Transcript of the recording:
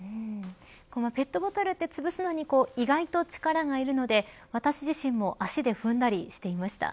このペットボトルってつぶすのに意外と力がいるので、私自身も足で踏んだりしていました。